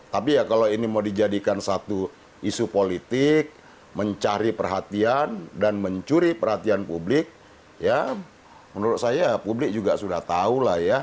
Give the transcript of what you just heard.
tapi ya kalau ini mau dijadikan satu isu politik mencari perhatian dan mencuri perhatian publik ya menurut saya publik juga sudah tahu lah ya